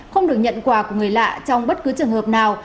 không được nhận quà của người lạ trong bất cứ trường hợp nào